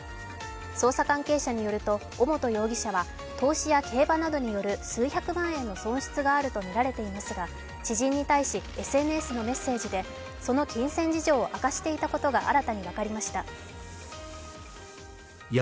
捜査関係者によると尾本容疑者は投資や競馬などによる数百万円の損失があるとみられていますが、知人に対しＳＮＳのメッセージでその金銭事情を明かしていたことが新たに分かりました。